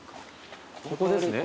ここですね。